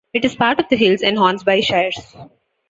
It is part of the Hills and Hornsby shires.